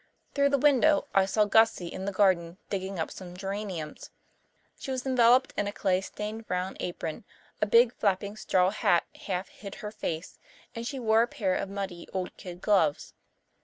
Through the window I saw Gussie in the garden digging up some geraniums. She was enveloped in a clay stained brown apron, a big flapping straw hat half hid her face, and she wore a pair of muddy old kid gloves.